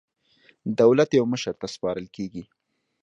دولت یو مشر ته سپارل کېږي.